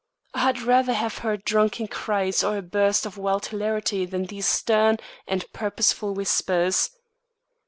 I had rather have heard drunken cries or a burst of wild hilarity than these stern and purposeful whispers.